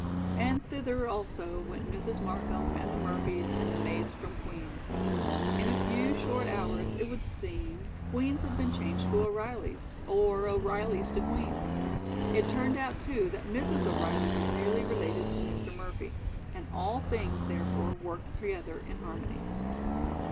And thither, also, went Mrs. Markham and the Murphys and the maids from Queen's. In a few short hours, it would seem, Queen's had been changed to O'Reilly's, or O'Reilly's to Queen's. It turned out, too, that Mrs. O'Reilly was nearly related to Mr. Murphy, and all things, therefore, worked together in harmony.